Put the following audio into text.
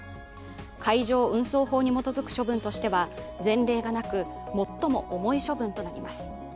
海上運送法に基づく処分としては前例がなく最も重い処分となります。